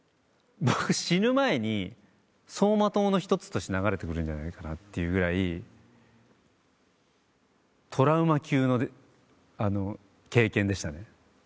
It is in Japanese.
僕死ぬ前に走馬灯の一つとして流れてくるんじゃないかなっていうぐらいトラウマ級の経験でしたね。